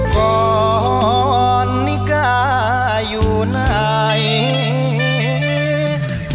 ก่อนนิกาอยู่ไหน